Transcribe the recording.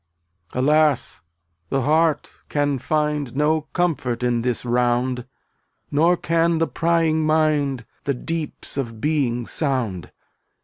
274 Alas, the heart can find No comfort in this round, Nor can the prying mind The deeps of being sound.